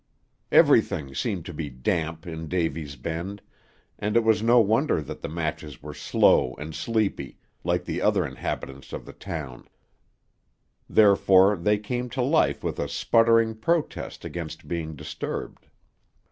Everything seemed to be damp in Davy's Bend, and it was no wonder that the matches were slow and sleepy, like the other inhabitants of the town; therefore they came to life with a sputtering protest against being disturbed.